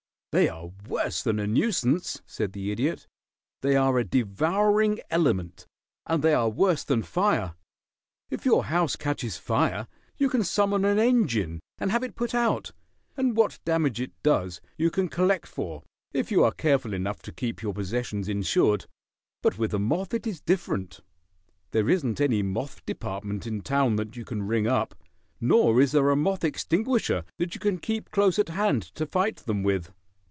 "They are worse than a nuisance," said the Idiot. "They are a devouring element, and they are worse than fire. If your house catches fire you can summon an engine and have it put out, and what damage it does you can collect for if you are careful enough to keep your possessions insured; but with the moth it is different. There isn't any moth department in town that you can ring up, nor is there a moth extinguisher that you can keep close at hand to fight them with.